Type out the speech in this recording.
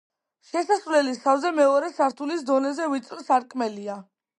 შესასვლელის თავზე მეორე სართულის დონეზე ვიწრო სარკმელია.